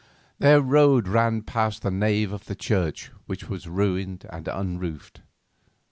Their road ran past the nave of the church, which was ruined and unroofed.